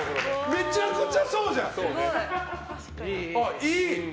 めちゃくちゃ、そうじゃん。